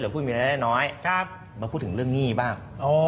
หรือพูดแบทน้อยมาพูดถึงเรื่องหนี้บ้าง